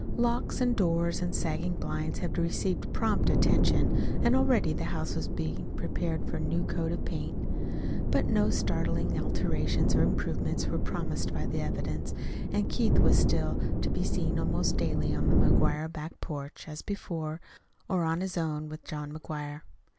Locks and doors and sagging blinds had received prompt attention, and already the house was being prepared for a new coat of paint; but no startling alterations or improvements were promised by the evidence, and Keith was still to be seen almost daily on the McGuire back porch, as before, or on his own, with John McGuire.